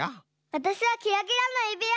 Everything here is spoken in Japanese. わたしはキラキラのゆびわ！